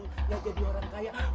enggak jadi orang kaya